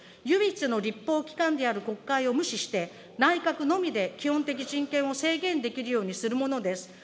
唯一の立法機関である国会を無視して、内閣のみで基本的人権を制限できるようにするものです。